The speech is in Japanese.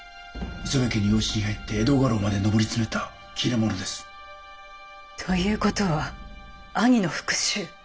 磯部家に養子に入って江戸家老まで上り詰めた切れ者です。という事は兄の復讐？